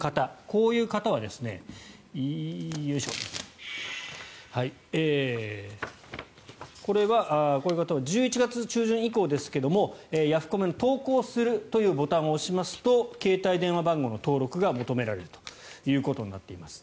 こういう方は１１月中旬以降ですがヤフコメの投稿するというボタンを押しますと携帯電話番号の登録が求められるということになっています。